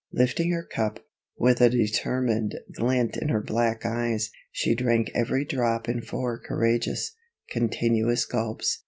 Lifting her cup, with a determined glint in her black eyes, she drank every drop in four courageous, continuous gulps.